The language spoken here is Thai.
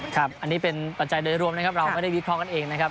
ครับอันนี้เป็นปัจจัยโดยรวมนะครับเราไม่ได้วิเคราะห์กันเองนะครับ